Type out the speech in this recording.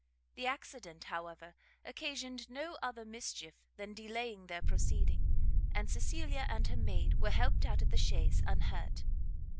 The accident, however, occasioned no other mischief than delaying their proceeding, and Cecilia and her maid were helped out of the chaise unhurt.